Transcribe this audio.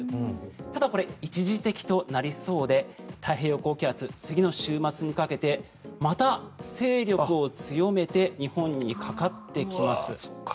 ただこれ、一時的となりそうで太平洋高気圧、次の週末にかけてまた勢力を強めて日本にかかってきます。